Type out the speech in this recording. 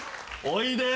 おいで！